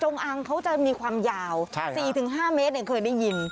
อังเขาจะมีความยาว๔๕เมตรเคยได้ยิน